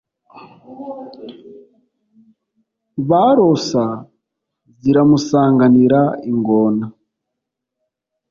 barosa ziramusanganira ingoma.